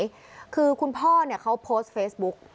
ผู้เสียหายคือคุณพ่อเนี่ยเขาโพสต์เฟซบุ๊ก